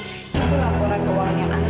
itu laporan keuangan yang pasuk